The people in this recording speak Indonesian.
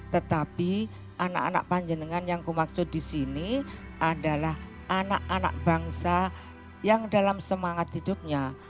tetapi anak anak panjenengan yang kumaksud di sini adalah anak anak bangsa yang dalam semangat hidupnya